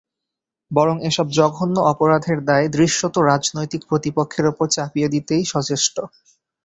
বরং এসব জঘন্য অপরাধের দায় দৃশ্যত রাজনৈতিক প্রতিপক্ষের ওপর চাপিয়ে দিতেই সচেষ্ট।